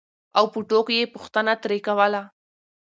او په ټوکو یې پوښتنه ترې کوله